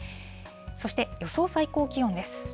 そして予想最高気温です。